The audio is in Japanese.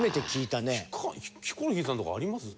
ヒコロヒーさんとかあります？